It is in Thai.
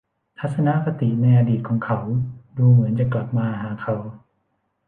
ทัศนคติในอดีตของเขาดูเหมือนจะกลับมาหาเขา